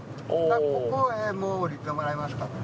ここへもう降りてもらいますからね。